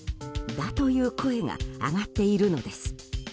だという声が上がっているのです。